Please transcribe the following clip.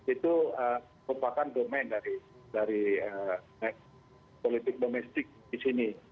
itu merupakan domain dari politik domestik di sini